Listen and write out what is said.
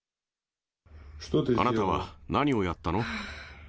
あなたは何をやったの？